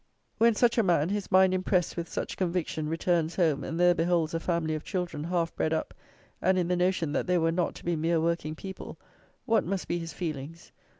When such a man, his mind impressed with such conviction, returns home and there beholds a family of children, half bred up, and in the notion that they were not to be mere working people, what must be his feelings?